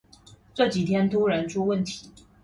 這幾天突然出問題